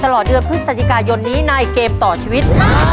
ตลอดเดือนพฤศจิกายนนี้ในเกมต่อชีวิต